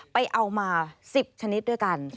ไปเอามา๑๐ชนิดด้วยกัน